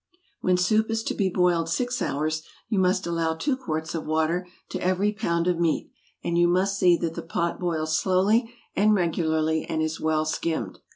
When soup is to be boiled six hours you must allow two quarts of water to every pound of meat, and you must see that the pot boils slowly and regularly, and is well skimmed.